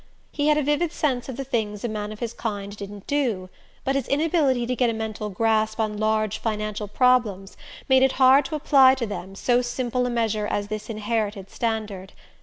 He had a vivid sense of the things a man of his kind didn't do; but his inability to get a mental grasp on large financial problems made it hard to apply to them so simple a measure as this inherited standard.